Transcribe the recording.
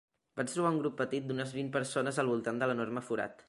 Vaig trobar un grup petit d'unes vint persones al voltant de l'enorme forat.